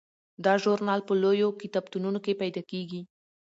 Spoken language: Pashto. دا ژورنال په لویو کتابتونونو کې پیدا کیږي.